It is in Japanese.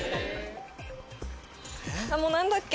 もう何だっけ？